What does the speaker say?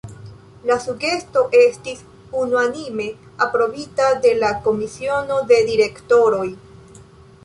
La sugesto estis unuanime aprobita de la Komisiono de direktoroj.